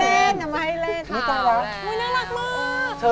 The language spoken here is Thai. อื้อน่ารักมาก